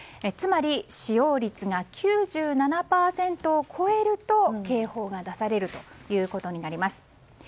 つまり使用率が９７％を超えると警報が出されるということになります。